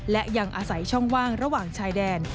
และยังอาศัยช่องว่างระหว่างชายแดน